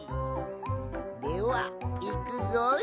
ではいくぞい。